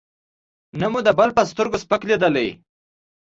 نه مو د بل په سترګو سپک لېدلی.